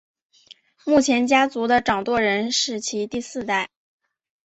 目前家族的掌舵人是其第四代。